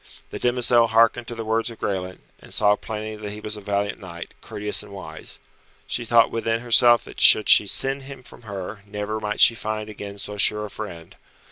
The demoiselle hearkened to the words of Graelent, and saw plainly that he was a valiant knight, courteous and wise. She thought within herself that should she send him from her, never might she find again so sure a friend.